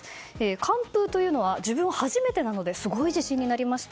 完封というのは自分は初めてなのですごい自信になりました。